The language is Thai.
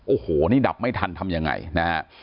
โอ้โหนี่ดับไม่ทันทำยังไงนะฮะ